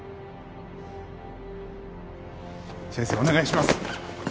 先生お願いします。